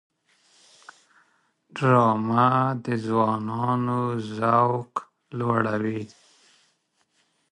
ډرامه د ځوانانو ذوق لوړوي